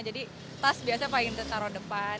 jadi tas biasa pakai tas atau di depan